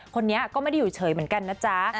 คนนี้ก็ไม่ได้อยู่เฉยเหมือนกันนะจ๊ะ